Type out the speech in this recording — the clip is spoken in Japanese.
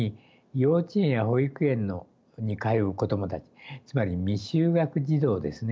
幼稚園や保育園に通う子供たちつまり未就学児童ですね。